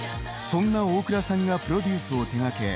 そんな大倉さんがプロデュースを手がけ